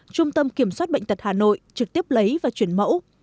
trung tâm kiểm soát bệnh tật hà nội trực tiếp lấy và chuyển mẫu